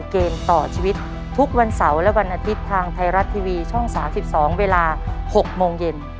เกมต่อชีวิตทุกวันเสาร์และวันอาทิตย์ทางไทยรัฐทีวีช่อง๓๒เวลา๖โมงเย็น